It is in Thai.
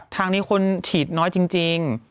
ทางนี้คนฉีดน้อยจริง